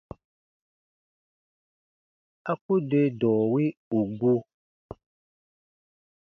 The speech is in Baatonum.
A ku de dɔ̃ɔ wi ù gu.